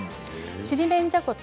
ちりめんじゃこと